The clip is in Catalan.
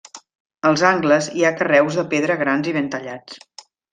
Als angles hi ha carreus de pedra grans i ben tallats.